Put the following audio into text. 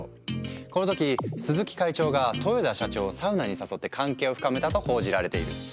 この時鈴木会長が豊田社長をサウナに誘って関係を深めたと報じられている。